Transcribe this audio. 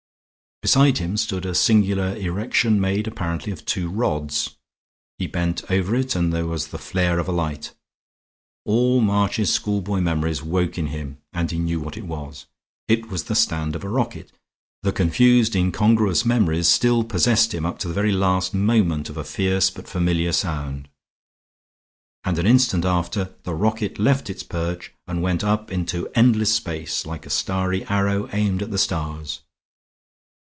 Beside him stood a singular erection made apparently of two rods. He bent over it and there was the flare of a light; all March's schoolboy memories woke in him, and he knew what it was. It was the stand of a rocket. The confused, incongruous memories still possessed him up to the very moment of a fierce but familiar sound; and an instant after the rocket left its perch and went up into endless space like a starry arrow aimed at the stars.